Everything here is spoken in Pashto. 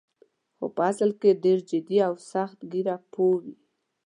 خو په اصل کې ډېر جدي او سخت ګیره پوه وې.